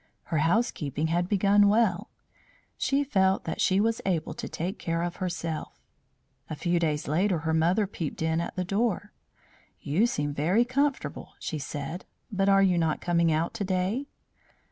Her housekeeping had begun well; she felt that she was able to take care of herself. A few days later her mother peeped in at the door. "You seem very comfortable," she said; "but are you not coming out to day?"